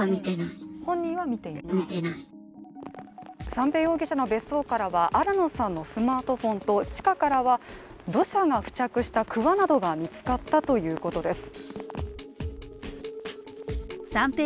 三瓶容疑者の別荘からは新野さんのスマートフォンと、地下からは土砂が付着したくわなどが見つかったということです